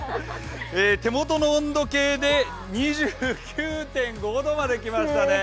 手元の温度計で２９．５度まできましたね。